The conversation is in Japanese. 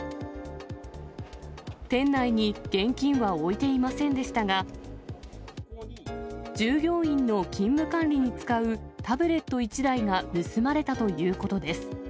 店内に現金は置いていませんでしたが、従業員の勤務管理に使うタブレット１台が盗まれたということです。